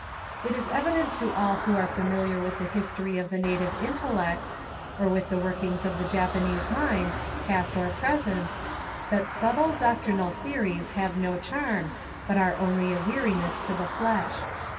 It is evident to all who are familiar with the history of the native intellect, or with the workings of the Japanese mind, past or present, that subtle doctrinal theories have no charm, but are only a weari ness to the flesh.